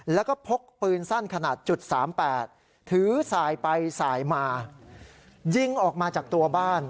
แล้วก็พกปืนสั้นขนาดจุด๓๘ถือสายไปสายมายิงออกมาจากตัวบ้าน